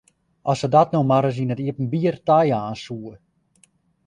As se dat no mar ris yn it iepenbier tajaan soe!